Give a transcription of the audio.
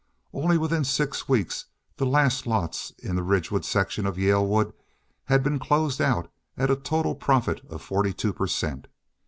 Only within six weeks the last lots in the Ridgewood section of "Yalewood" had been closed out at a total profit of forty two per cent.